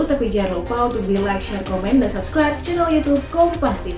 tapi jangan lupa untuk di like share komen dan subscribe channel youtube kompastv